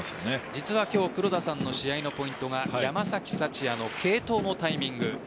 実は今日黒田さんの試合のポイントが山崎福也の継投のタイミング